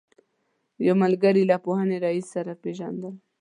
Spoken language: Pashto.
یو ملګري له پوهنې رئیس سره پېژندل.